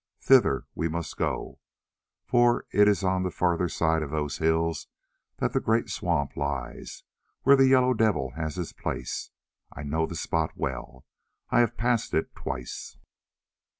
Thither we must go, for it is on the further side of those hills that the great swamp lies where the Yellow Devil has his place. I know the spot well; I have passed it twice."